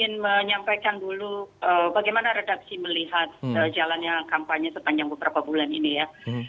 saya ingin menyampaikan dulu bagaimana redaksi melihat jalannya kampanye sepanjang beberapa bulan ini ya